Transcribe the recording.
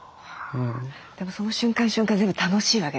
でもその瞬間瞬間全部楽しいわけですか？